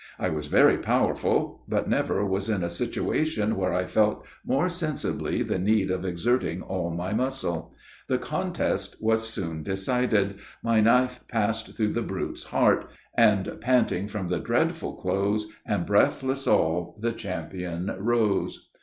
I was very powerful; but never was in a situation where I felt more sensibly the need of exerting all my muscle. The contest was soon decided my knife passing through the brute's heart "And panting from the dreadful close, And breathless all, the champion rose."